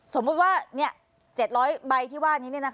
สมมุติว่า๗๐๐ใบที่ว่านี้